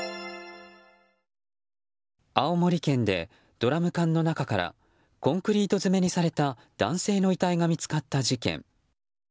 青森県でドラム缶の中からコンクリート詰めにされた男性の遺体が見つかった事件。